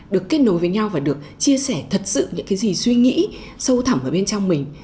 được kết nối với nhau và được chia sẻ thật sự những cái gì suy nghĩ sâu thẳm ở bên trong mình